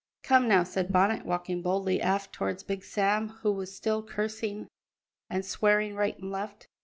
"Come now," said Bonnet, walking boldly aft towards Big Sam, who was still cursing and swearing right and left.